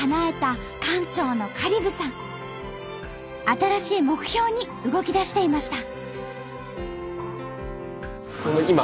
新しい目標に動きだしていました。